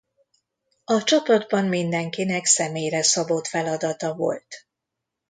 A csapatban mindenkinek személyre szabott feladata volt.